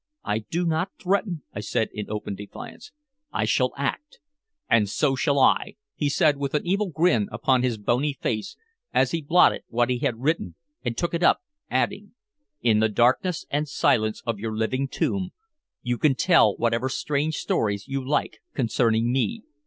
"I do not threaten," I said in open defiance, "I shall act." "And so shall I," he said with an evil grin upon his bony face as he blotted what he had written and took it up, adding: "In the darkness and silence of your living tomb, you can tell whatever strange stories you like concerning me.